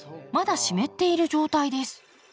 まだ湿っている状態です。